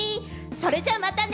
それじゃあ、またね。